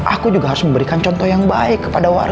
aku juga harus memberikan contoh yang baik kepada warga